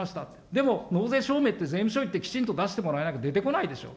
でも、納税証明って税務署行ってきちんと出してもらわなきゃ出てこないでしょ。